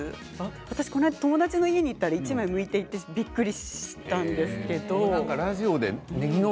私この間、友達の家に行ったら１枚むいていてびっくりしたんですけど。